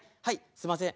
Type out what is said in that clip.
すんません。